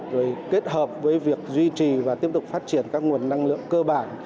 rồi kết hợp với việc duy trì và tiếp tục phát triển các nguồn năng lượng cơ bản